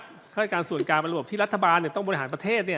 ข้าราชการส่วนการบรรลบที่รัฐบาลเนี่ยต้องบริหารประเทศเนี่ย